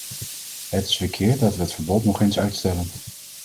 Het is verkeerd dat we het verbod nog eens uitstellen.